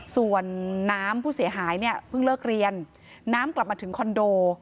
ส่วนน้ำผู้เสียหายเนี่ยเพิ่งเลิกเรียนน้ำกลับมาถึงคอนโด